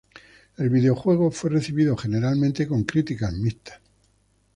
El videojuego fue recibido generalmente con críticas mixtas.